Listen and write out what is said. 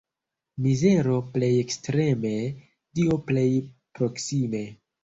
Mizero plej ekstreme, Dio plej proksime.